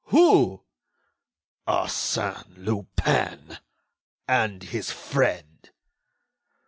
"Who?" "Arsène Lupin ... and his friend."